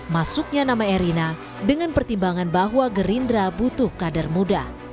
masuknya nama erina dengan pertimbangan bahwa gerindra butuh kader muda